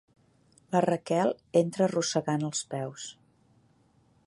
La Raquel entra arrossegant els peus.